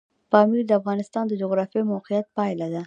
پامیر د افغانستان د جغرافیایي موقیعت پایله ده.